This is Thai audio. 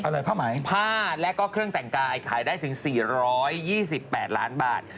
อะไรผ้าไหมผ้าแล้วก็เครื่องแต่งกายขายได้ถึง๔๒๘ล้านบาท